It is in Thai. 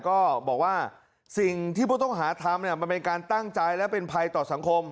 ก็บอกว่าสิ่งที่ผู้ต้องหาทำมันเป็นการตั้งใจและเป็นภัยต่อสังคม